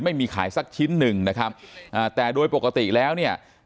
ไม่มีขายสักชิ้นหนึ่งนะครับอ่าแต่โดยปกติแล้วเนี่ย